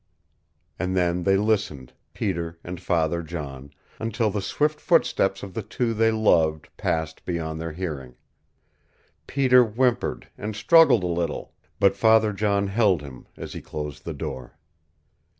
And then they listened, Peter and Father John, until the swift footsteps of the two they loved passed beyond their hearing. Peter whimpered, and struggled a little, but Father John held him as he closed the door.